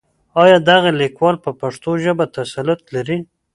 آيا دغه ليکوال په پښتو ژبه تسلط لري؟